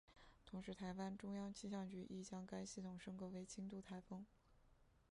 同时台湾中央气象局亦将该系统升格为轻度台风。